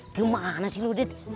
ntar bang capek teriak teriak